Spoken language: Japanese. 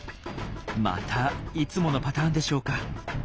またいつものパターンでしょうか。